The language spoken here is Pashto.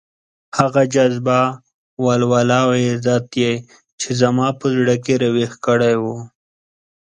هغه جذبه، ولوله او عزت يې چې زما په زړه کې راويښ کړی وو.